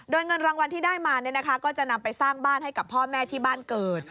โดยเงินรางวัลที่ได้มาก็จะนำไปสร้างบ้านให้กับพ่อแม่ที่บ้านเกิด